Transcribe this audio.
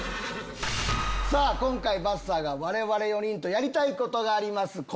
今回ばっさーが我々４人とやりたいことがあります。